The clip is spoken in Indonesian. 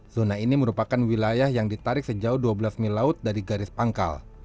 zona ini merupakan wilayah yang ditarik sejauh dua belas mil laut dari garis pangkal